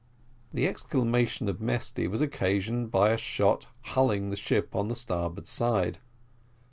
The exclamation of Mesty was occasioned by a shot hulling the ship on the starboard side.